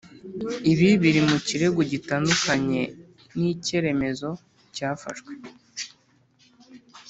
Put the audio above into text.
Ibi biri mu kirego gitandukanye n’ icyeremezo cyafashwe